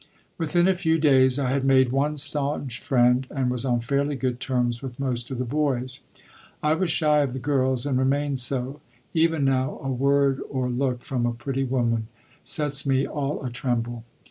Within a few days I had made one staunch friend and was on fairly good terms with most of the boys. I was shy of the girls, and remained so; even now a word or look from a pretty woman sets me all a tremble.